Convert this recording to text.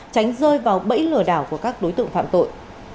tránh rơi vào bẫy lừa đảo của các đối tượng phạm tội